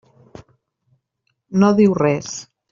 No diu res.